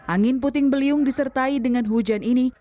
angin puting beliung disertai dengan hujan ini